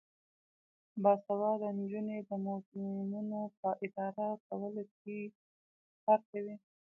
باسواده نجونې د موزیمونو په اداره کولو کې کار کوي.